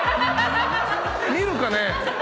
⁉見るかね